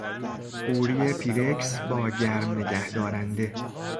قوری پیرکس با گرم نگه دارنده